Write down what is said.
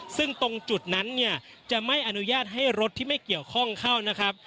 ซึ่งตรงจุดนั้นเนี่ยจะไม่อนุญาตให้รถที่ไม่เกี่ยวข้องเข้านะครับ